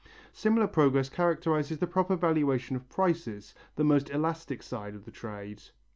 Similar progress characterizes the proper valuation of prices, the most elastic side of the trade.